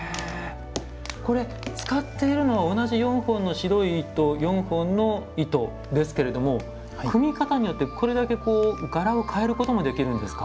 これ使っているのは同じ４本の白い糸４本の糸ですけれども組み方によってこれだけこう柄を変えることもできるんですか？